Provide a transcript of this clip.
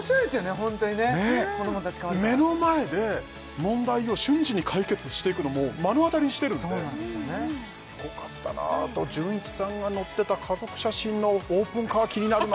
ホントにね子どもたち変わるから目の前で問題を瞬時に解決していくのも目の当たりにしてるのですごかったなあとじゅんいちさんが乗ってた家族写真のオープンカー気になるな